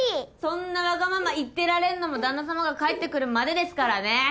そんなわがまま言ってられんのも旦那様が帰ってくるまでですからね。